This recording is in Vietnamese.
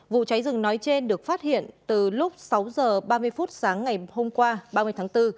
vụ cháy rừng nói trên được phát hiện từ lúc sáu h ba mươi phút sáng ngày hôm qua ba mươi tháng bốn